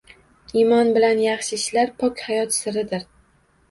Imon bilan yaxshi ishlar pok hayot siridir.